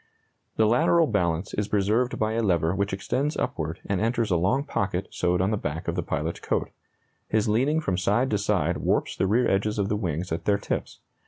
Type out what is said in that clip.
] The lateral balance is preserved by a lever which extends upward and enters a long pocket sewed on the back of the pilot's coat. His leaning from side to side warps the rear edges of the wings at their tips.